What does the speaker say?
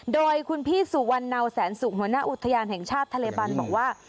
โดยคุณพี่สุวรรณเนาแสนสุขหัวหน้าอุทยานแห่งชาติทะเลบันบอกว่า